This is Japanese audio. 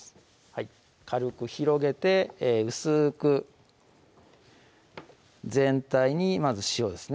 軽く広げて薄く全体にまず塩ですね